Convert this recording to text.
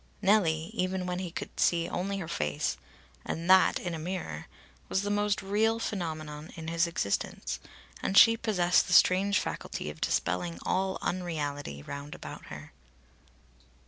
Nellie, even when he could see only her face, and that in a mirror, was the most real phenomenon in his existence, and she possessed the strange faculty of dispelling all unreality, round about her.